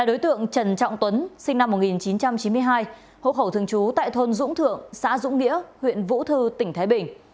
đối tượng trần trọng tuấn sinh năm một nghìn chín trăm chín mươi hai hộ khẩu thường trú tại thôn dũng thượng xã dũng nghĩa huyện vũ thư tỉnh thái bình